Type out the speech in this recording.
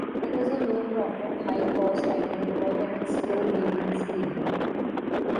It is a low-profit, high-cost item because of its slow weaving speed.